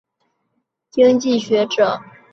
是一名卓越的马克思主义经济学者。